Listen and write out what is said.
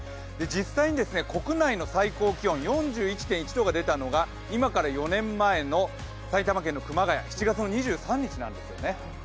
実際に国内の最高気温４１．１度が出たのは今から４年前の埼玉県の熊谷７月２３日なんですよね。